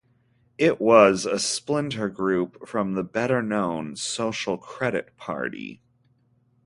It was a splinter group from the better-known Social Credit Party.